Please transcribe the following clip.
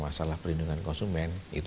manjak manjak yang a wouldn't you make it